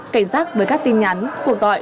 cảnh giác với các tin nhắn phụ gọi